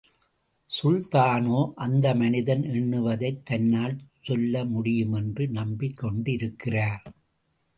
சுல்தானோ, அந்த மனிதன் எண்ணுவதைத் தன்னால் சொல்ல முடியுமென்று நம்பிக் கொண்டிருக்கிறார்.